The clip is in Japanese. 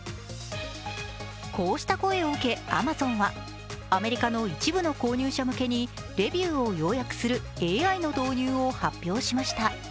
こうした声を受け、アマゾンはアメリカの一部の購入者向けにレビューを要約するＡＩの導入を発表しました。